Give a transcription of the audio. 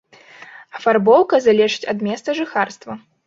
Афарбоўка залежыць ад месца жыхарства.